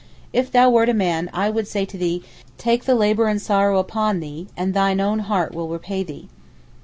If thou wert a man, I would say to thee, take the labour and sorrow upon thee, and thine own heart will repay thee.